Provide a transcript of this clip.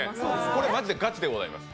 これはまじでガチでございます。